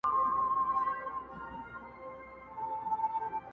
د دې نوي کفن کښ نوې نخره وه!.